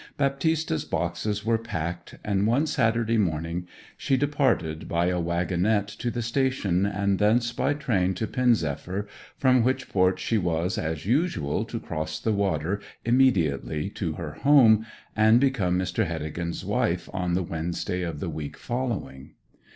Baptista's boxes were packed, and one Saturday morning she departed by a waggonette to the station, and thence by train to Pen zephyr, from which port she was, as usual, to cross the water immediately to her home, and become Mr. Heddegan's wife on the Wednesday of the week following.